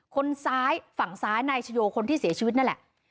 คนซ้ายฝั่งซ้ายนายชโยคนที่เสียชีวิตนั่นแหละ